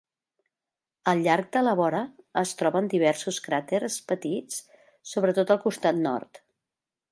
Al llarg de la vora es troben diversos craters petits, sobretot al costat nord.